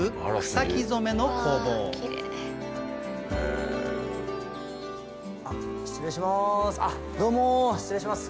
草木染めの工房失礼します